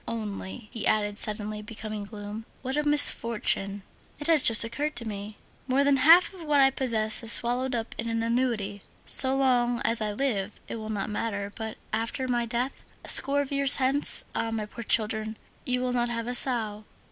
Only," he added, suddenly becoming gloomy, "what a misfortune! It has just occurred to me! More than half of what I possess is swallowed up in an annuity; so long as I live, it will not matter, but after my death, a score of years hence, ah! my poor children, you will not have a sou!